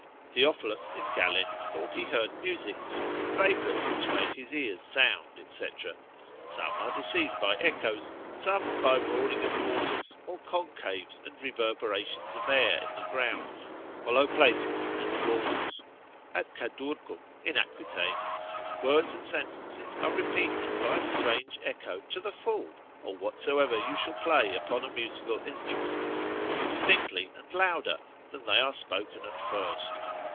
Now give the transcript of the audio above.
Theophilus in Galen thought he heard music, from vapours which made his ears sound, &c. Some are deceived by echoes, some by roaring of waters, or concaves and reverberation of air in the ground, hollow places and walls. At Cadurcum, in Aquitaine, words and sentences are repeated by a strange echo to the full, or whatsoever you shall play upon a musical instrument, more distinctly and louder, than they are spoken at first.